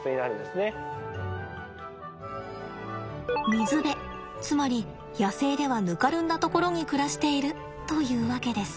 水辺つまり野生ではぬかるんだところに暮らしているというわけです。